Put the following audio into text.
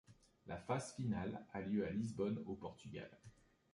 La phase finale a lieu à Lisbonne, au Portugal.